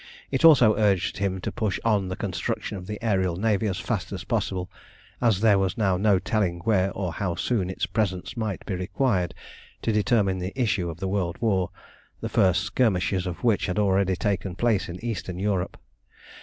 It also urged him to push on the construction of the aërial navy as fast as possible, as there was now no telling where or how soon its presence might be required to determine the issue of the world war, the first skirmishes of which had already taken place in Eastern Europe.